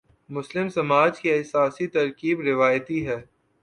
مسلم سماج کی اساسی ترکیب روایتی ہے۔